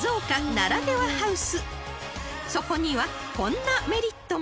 ［そこにはこんなメリットも］